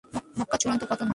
মক্কার চুড়ান্ত পতন ঘটে।